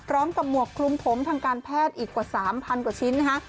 กับหมวกคลุมผมทางการแพทย์อีกกว่า๓๐๐กว่าชิ้นนะคะ